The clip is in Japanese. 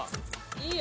いいよ。